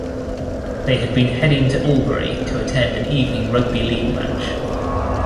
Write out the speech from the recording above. They had been heading to Albury to attend an evening rugby league match.